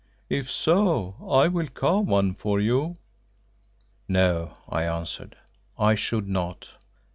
If so, I will carve one for you." "No," I answered, "I should not.